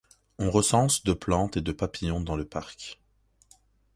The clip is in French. On recense de plantes et de papillons dans le parc.